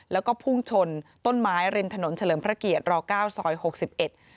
แล้วก็พุ่งชนต้นไม้เร็นถนนเฉลิมพระเกียรติร๙ซ๖๑